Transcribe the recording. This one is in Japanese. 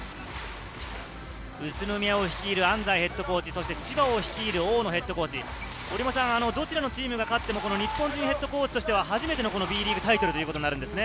宇都宮を率いる安齋ヘッドコーチ、千葉を率いる大野ヘッドコーチ、どちらのチームが勝っても日本人ヘッドコーチとしては初めてのＢリーグタイトルということになりますね。